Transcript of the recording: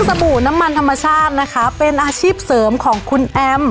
สบู่น้ำมันธรรมชาตินะคะเป็นอาชีพเสริมของคุณแอม